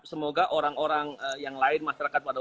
semoga orang orang yang lain masyarakat pada